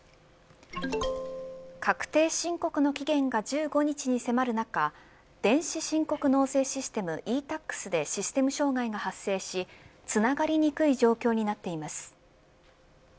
確定申告の期限が１５日に迫る中電子申告納税システムｅ−Ｔａｘでシステム障害が発生しつながりにくい状況になっています。